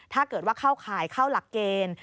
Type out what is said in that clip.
ถ้าเกิดว่าเข้าข่ายเข้าหลักเกณฑ์